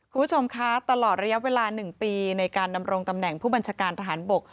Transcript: คุณผู้ชมคะตลอดระยะเวลา๑ปีในการดำรงตำแหน่งผู้บัญชาการทหารบก